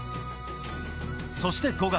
そして５月。